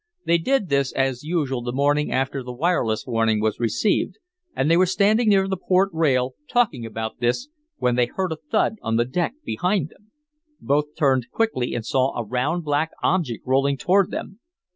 They did this as usual the morning after the wireless warning was received, and they were standing near the port rail, talking about this, when they heard a thud on the deck behind them. Both turned quickly, and saw a round black object rolling toward them.